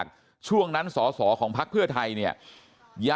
ขอบคุณเลยนะฮะคุณแพทองธานิปรบมือขอบคุณเลยนะฮะ